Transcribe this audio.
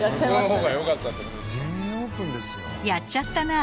「やっちゃったな」